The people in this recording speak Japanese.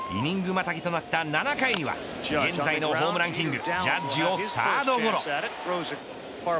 またぎとなった７回には現在のホームランキングジャッジをサードゴロ。